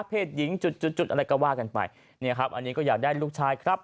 เพศหญิงอะไรก็ว่ากันไปนี่ครับอันนี้ก็อยากได้ลูกชายครับ